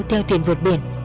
theo tuyển vượt biển